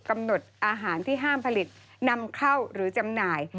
กำหนดอาหารที่ห้ามผลิตนำเข้าหรือจำหน่าย